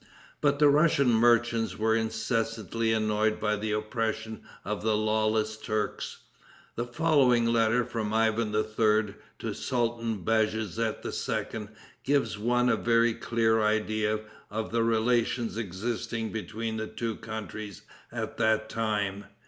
But the Russian merchants were incessantly annoyed by the oppression of the lawless Turks. The following letter from Ivan III. to the Sultan Bajazet II., gives one a very clear idea of the relations existing between the two countries at that time.